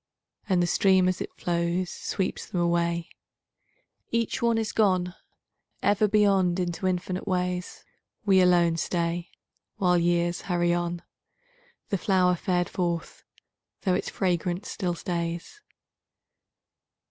And the stream as it flows Sweeps them away, Each one is gone Ever beyond into infinite ways. We alone stay While years hurry on, The flower fared forth, though its fragrance still stays.